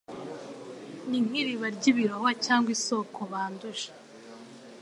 ni nk’iriba ry’ibirohwa cyangwa isoko banduje